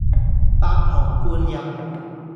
白虹貫日